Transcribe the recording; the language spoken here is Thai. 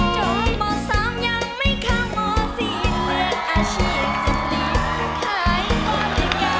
จนบ่อสามยังไม่เข้าหมอสี่เรียกอาชีพสุดดีขายพอดีกัน